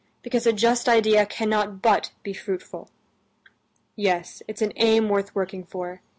Because a just idea cannot but be fruitful. Yes, it's an aim worth working for.